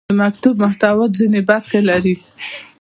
د مکتوب محتویات ځینې برخې لري.